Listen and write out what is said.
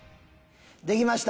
できました。